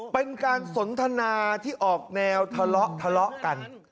เป็นการสนทนาที่ออกแนวทะเลาะทะเลาะกัน